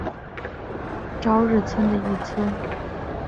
朝日村的一村。